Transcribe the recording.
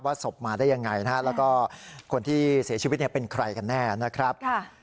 ศพมาได้ยังไงนะฮะแล้วก็คนที่เสียชีวิตเป็นใครกันแน่นะครับ